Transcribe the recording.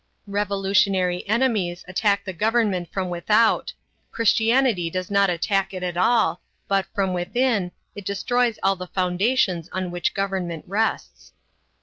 Revolutionary enemies attack the government from without. Christianity does not attack it at all, but, from within, it destroys all the foundations on which government rests.